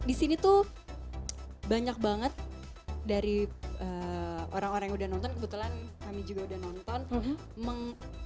di sini tuh banyak banget dari orang orang yang udah nonton kebetulan kami juga udah nonton